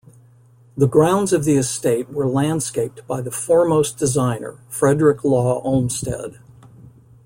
The grounds of the estate were landscaped by the foremost designer, Frederick Law Olmsted.